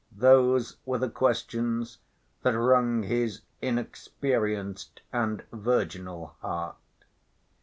Those were the questions that wrung his inexperienced and virginal heart.